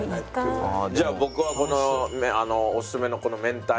じゃあ僕はこのおすすめのこの明太。